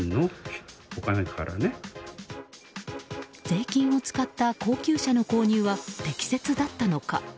税金を使った高級車の購入は適切だったのか。